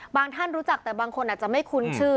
ท่านรู้จักแต่บางคนอาจจะไม่คุ้นชื่อ